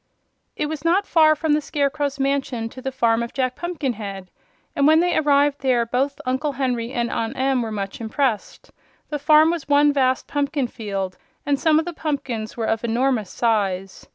It was not far from the Scarecrow's mansion to the farm of Jack Pumpkinhead, and when they arrived there both Uncle Henry and Aunt Em were much impressed. The farm was one vast pumpkin field, and some of the pumpkins were of enormous size.